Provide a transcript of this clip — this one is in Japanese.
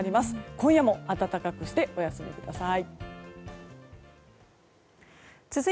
今夜も暖かくしてお休みください。